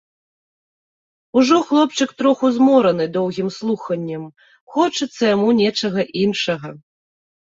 Ужо хлопчык троху змораны доўгім слуханнем, хочацца яму нечага іншага.